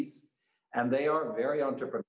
dan mereka sangat berpengaruh